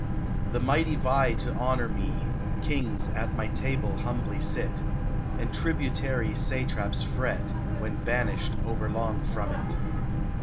The mighty vie to honor me : Kings at my table humbly sit, And tributary satraps fret When banished over long from it.